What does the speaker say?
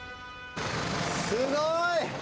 すごい！